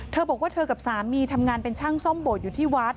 เธอบอกว่าเธอกับสามีทำงานเป็นช่างซ่อมโบสถอยู่ที่วัด